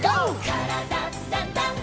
「からだダンダンダン」せの！